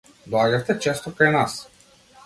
Доаѓавте често кај нас.